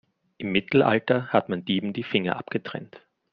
Im Mittelalter hat man Dieben die Finger abgetrennt.